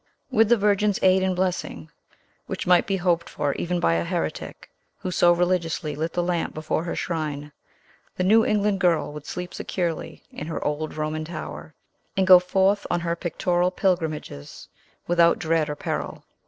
With the Virgin's aid and blessing, which might be hoped for even by a heretic, who so religiously lit the lamp before her shrine, the New England girl would sleep securely in her old Roman tower, and go forth on her pictorial pilgrimages without dread or peril.